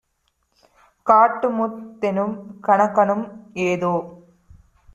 "காட்டுமுத்" தெனும் கணக்கனும் ஏதோ